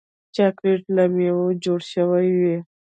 چاکلېټ له میوو جوړ شوی وي.